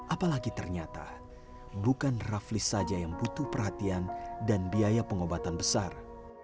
apalagi ternyata bukan rafli saja yang butuh perhatian dan biaya pengobatan besar